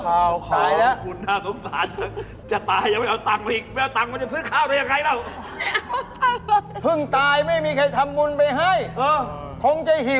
อ้าวนี่ขนาดตายอีกยังไม่มีเงินกันอีกหรือนี่